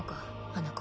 花子。